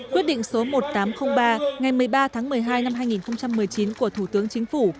quyết định số một nghìn tám trăm linh ba ngày một mươi ba tháng một mươi hai năm hai nghìn một mươi chín của thủ tướng chính phủ